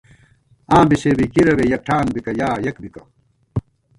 آں بی سے بی کِرَوے یَکٹھان بِکہ یا یَک بِکہ